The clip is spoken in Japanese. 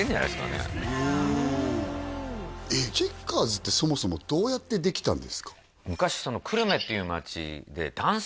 うんチェッカーズってそもそもどうやってできたんですか？